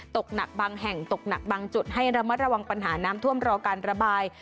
ตกหนักบางแห่งตกหนักบางจุดให้ระมัดระวังปัญหาน้ำท่วมรอการระบาย